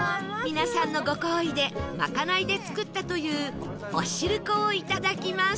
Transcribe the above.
皆さんのご厚意で賄いで作ったというおしるこをいただきます